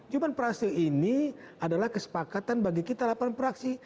cuman prase ini adalah kesepakatan bagi kita lapangan praksi